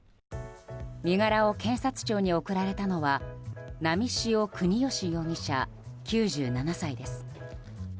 身柄を検察庁に送られたのは波汐國芳容疑者、９７歳です。